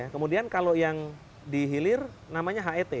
kemudian kalau yang di hilir namanya het